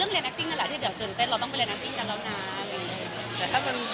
เราก็อยากจะทำระทีตรงเนี้ยให้ดีที่สุด